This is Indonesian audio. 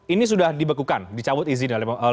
ini sudah dibekukan dicabut izin oleh